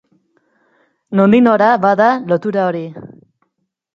Nondik nora, bada, lotura hori?